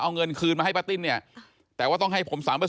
เอาเงินคืนมาให้ป้าติ้นเนี่ยแต่ว่าต้องให้ผม๓